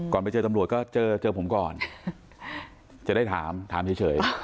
ไปเจอตำรวจก็เจอผมก่อนจะได้ถามถามเฉย